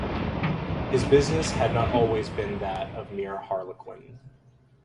His business had not always been that of mere harlequin.